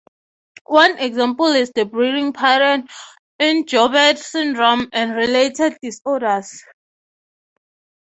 One example is the breathing pattern in Joubert syndrome and related disorders.